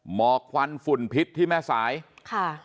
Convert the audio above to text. หมอกควันฝุ่นพิษที่แม่สายค่ะ